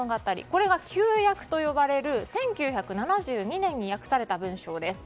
これが旧訳と呼ばれる１９７２年に訳された文章です。